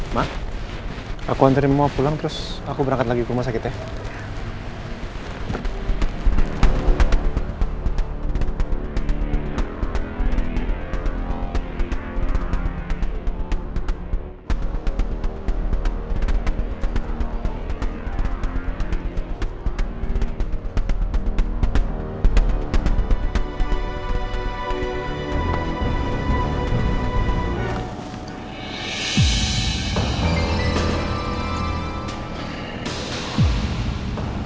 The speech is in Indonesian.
ma aku antarin mama pulang terus aku berangkat lagi ke rumah sakit ya